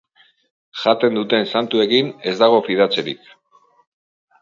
Jaten duten santuekin ez dago fidatzerik.